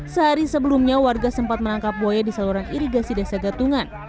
sehari sebelumnya warga sempat menangkap buaya di saluran irigasi desa gatungan